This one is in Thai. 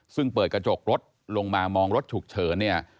ซึ่งเปิดกระจกรถลงมามองรถฉุกเฉินเนี่ย